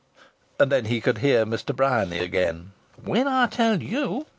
And then he could hear Mr. Bryany again: "When I tell you